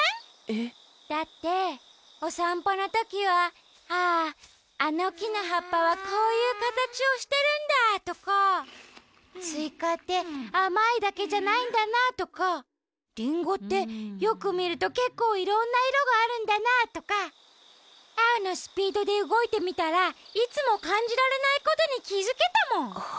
えっ？だっておさんぽのときは「あああのきのはっぱはこういうかたちをしてるんだ」とか「スイカってあまいだけじゃないんだな」とか「リンゴってよくみるとけっこういろんないろがあるんだな」とかアオのスピードでうごいてみたらいつもかんじられないことにきづけたもん。